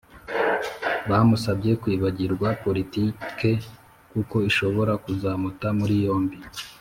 Bamusabye kwibagirwa politike kuko ishobora kuzamuta muri yombi